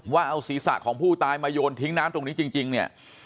ว่าเอาศีรษะของผู้ตายมาโยนทิ้งน้ำตรงนี้จริงเนี่ย